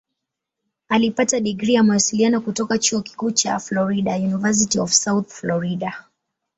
Alipata digrii ya Mawasiliano kutoka Chuo Kikuu cha Florida "University of South Florida".